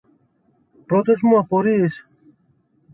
Πρώτες μου απορίες